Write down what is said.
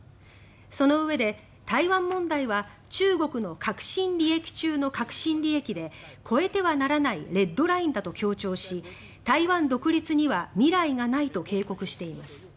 そのうえで、台湾問題は中国の核心利益中の核心利益で越えてはならないレッドラインだと強調し台湾独立には未来がないと警告しています。